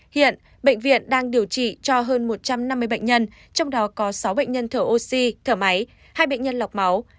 hiện bệnh viện đang điều trị cho hơn một trăm năm mươi bệnh nhân trong đó có sáu bệnh nhân thở oxy thở máy hai bệnh nhân lọc máu